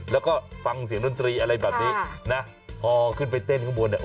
แล้วก็ฟังเสียงดนตรีอะไรแบบนี้นะพอขึ้นไปเต้นข้างบนเนี่ย